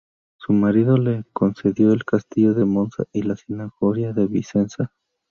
Su marido le concedió el castillo de Monza y de la Signoria de Vicenza.